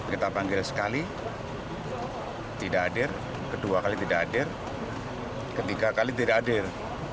kita panggil sekali tidak hadir kedua kali tidak hadir ketiga kali tidak hadir